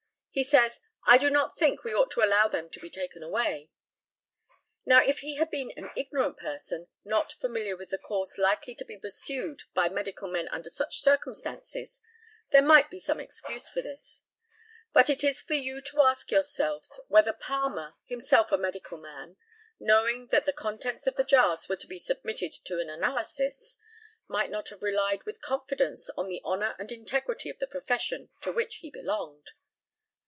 He says, "I do not think we ought to allow them to be taken away." Now, if he had been an ignorant person, not familiar with the course likely to be pursued by medical men under such circumstances, there might be some excuse for this; but it is for you to ask yourselves whether Palmer, himself a medical man, knowing that the contents of the jars were to be submitted to an analysis, might not have relied with confidence on the honour and integrity of the profession to which he belonged.